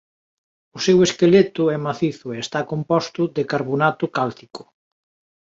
O seu esqueleto é macizo e está composto de carbonato cálcico.